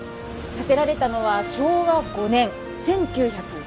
建てられたのは昭和５年１９３０年。